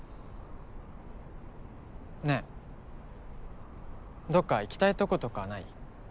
ねえどっか行きたいとことかない？